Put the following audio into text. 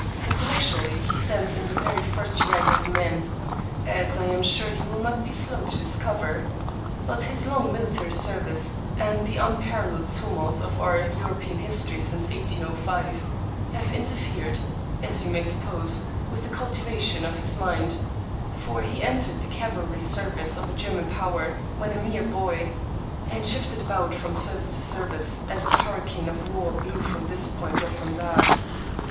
Intellectu ally he stands in the very first rank of men, as I am sure you will not be slow to discover; but his long military service, and the unparalleled tumult of our European his tory since 1805, have interfered (as you may suppose) with 109 English Mystery Stories the cultivation of his mind; for he entered the cavalry service of a German power when a mere boy, and shifted about from service to service as the hurricane of war blew from this point or from that.